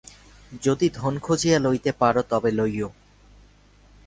যদি ধন খুঁজিয়া লইতে পার তবে লইয়ো।